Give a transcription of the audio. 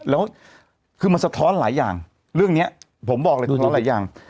แล้วคือมันสะท้อนหลายอย่างเรื่องนี้ผมบอกเลยสะท้อนหลายอย่าง